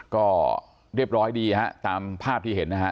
ก็เรียบร้อยดีฮะตามภาพที่เห็นนะฮะ